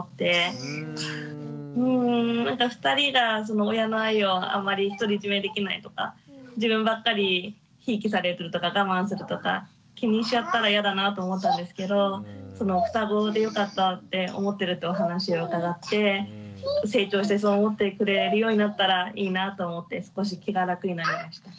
うんなんか２人が親の愛をあまり独り占めできないとか自分ばっかりひいきされるとか我慢するとか気にしちゃったら嫌だなと思ったんですけどふたごでよかったって思ってるってお話を伺って成長してそう思ってくれるようになったらいいなと思って少し気が楽になりました。